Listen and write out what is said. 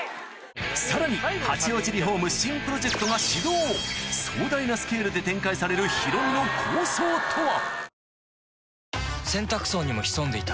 さらに八王子リホーム新プロジェクトが始動壮大なスケールで展開されるヒロミの構想とは？